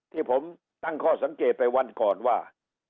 ที่ผมตั้งข้อสังเกตไปวันก่อนว่า